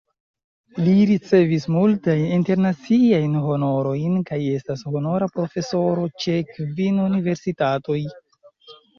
Li ricevis multajn internaciajn honorojn kaj estas honora profesoro ĉe kvin universitatoj.